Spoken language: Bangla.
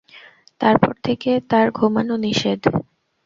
তারপর থেকে তার ঘুমানো নিষেধ।